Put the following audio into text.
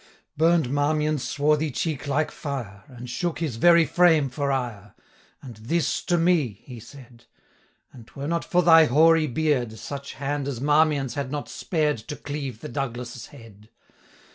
Burn'd Marmion's swarthy cheek like fire, And shook his very frame for ire, 410 And 'This to me!' he said, 'An 'twere not for thy hoary beard, Such hand as Marmion's had not spared 'To cleave the Douglas' head!